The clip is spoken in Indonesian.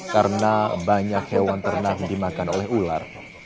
karena banyak hewan ternak dimakan oleh ular